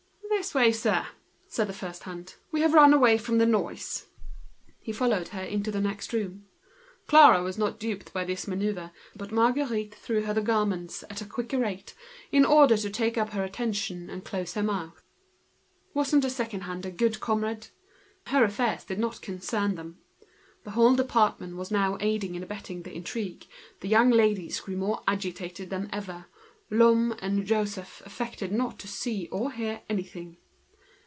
"This way, sir," said the first hand. "We have run away from the noise." He followed her into the next room. Clara was not duped by this manoeuvre, and said they had better go and fetch a bed at once. But Marguerite threw her the garments at a quicker rate, in order to take up her attention and close her mouth. Wasn't the secondhand a good comrade? Her affairs did not concern anyone. The department was becoming an accomplice, the young ladies got more agitated than ever, Lhomme and Joseph affected not to see or hear anything.